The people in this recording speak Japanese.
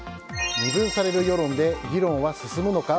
二分される世論で議論は進むのか。